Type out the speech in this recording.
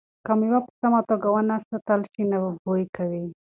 که مېوه په سمه توګه ونه ساتل شي نو بوی کوي.